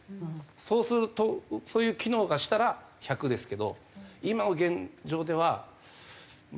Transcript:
そうするとそういう機能がしたら１００ですけど今の現状ではまあ７０ぐらいかなという。